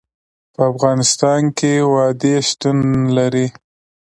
په افغانستان کې وادي شتون لري.